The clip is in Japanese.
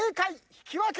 引き分け